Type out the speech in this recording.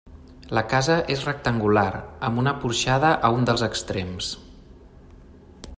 La casa és rectangular, amb una porxada a un dels extrems.